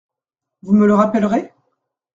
Vous me le rappellerez ?